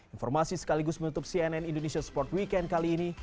informasi sekaligus menutup cnn indonesia sport weekend kali ini